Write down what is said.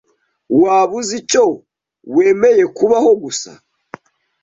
Waba uzi icyo wemeye kubaho gusa?